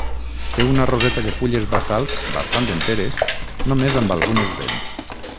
Té una roseta de fulles bassals, bastant enteres, només amb algunes dents.